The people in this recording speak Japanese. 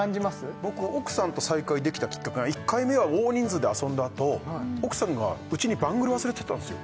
僕奥さんと再会できたきっかけが１回目は大人数で遊んだあと奥さんがうちにバングル忘れてったんですよ